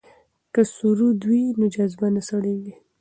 که سرود وي نو جذبه نه سړیږي.